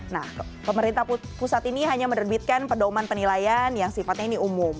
nah pemerintah pusat ini hanya menerbitkan pedoman penilaian yang sifatnya ini umum